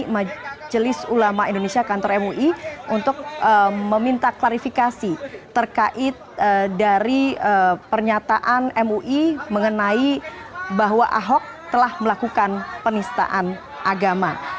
majelis ulama indonesia kantor mui untuk meminta klarifikasi terkait dari pernyataan mui mengenai bahwa ahok telah melakukan penistaan agama